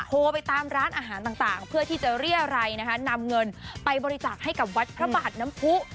โทรไปตามร้านอาหารต่างเพื่อที่จะเรียรัยนะคะนำเงินไปบริจาคให้กับวัดพระบาทน้ำผู้